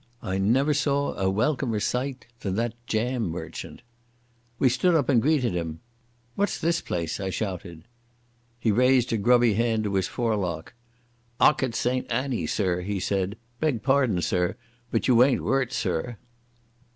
I never saw a welcomer sight than that jam merchant. We stood up and greeted him. "What's this place?" I shouted. He raised a grubby hand to his forelock. "Ockott Saint Anny, sir," he said. "Beg pardon, sir, but you ain't whurt, sir?"